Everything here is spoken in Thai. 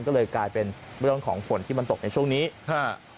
ก็เลยกลายเป็นเรื่องของฝนที่มันตกในช่วงนี้ฮะ